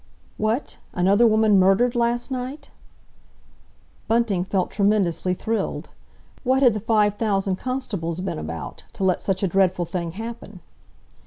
"What? Another woman murdered last night?" Bunting felt tremendously thrilled. What had the five thousand constables been about to let such a dreadful thing happen?